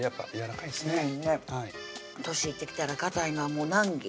年いってきたらかたいのはもう難儀